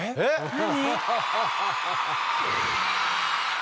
何？